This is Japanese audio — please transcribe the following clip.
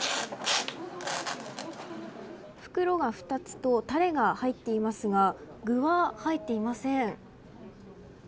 袋が２つとタレが入っていますが具は入っていません。